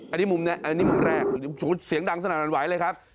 อันนี้มุมแรกเสียงดังสนั่นอันไหวเลยครับ